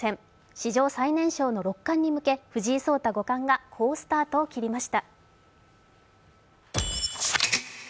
史上最年少の六冠に向け、藤井聡太五冠が好スタートを切りました。